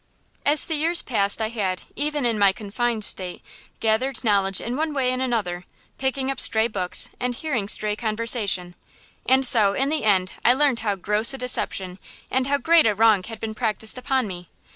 As the years passed I had, even in my confined state, gathered knowledge in one way and another–picking up stray books and hearing stray conversation; and so, in the end I learned how gross a deception and how great a wrong had been practised upon me.